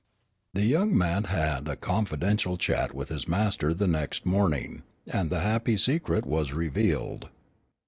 The young man had a confidential chat with his master the next morning, and the happy secret was revealed.